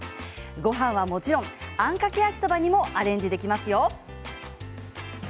ごはんはもちろんあんかけ焼きそばにもアレンジできますよ。